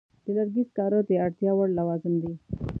د لرګي سکاره د اړتیا وړ لوازم دي.